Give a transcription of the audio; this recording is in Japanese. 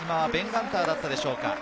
ベン・ガンターだったでしょうか。